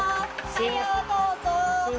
どうぞ。